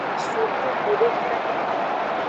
Sukubu deka.